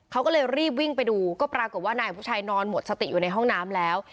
เขาก็เลยรีบวิ่งไปดูก็ปรากฏว่านายอภุชัยนอนหมดสติอยู่ในห้องน้ำแล้ว